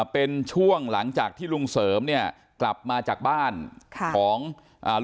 เป็นช่วงหลังจากที่ลุงเสริมเนี่ยกลับมาจากบ้านค่ะของอ่า